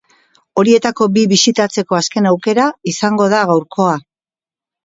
Horietako bi bisitatzeko azken aukera izango da gaurkoa.